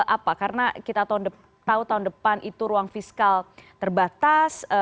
apa karena kita tahu tahun depan itu ruang fiskal terbatas